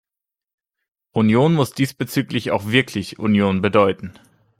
Union muss diesbezüglich auch wirklich Union bedeuten.